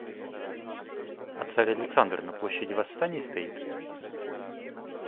А царь Александр на площади Восстаний стоит?